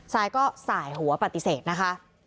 ซายก็สายหัวปฏิเสธนะคะ